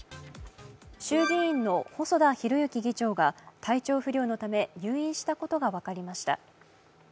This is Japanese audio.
衆議院の細田博之議長が体調不良のため入院したことが分かりました。